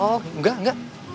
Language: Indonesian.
oh enggak enggak